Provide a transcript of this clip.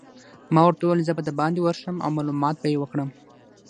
ما ورته وویل: زه به دباندې ورشم او معلومات به يې وکړم.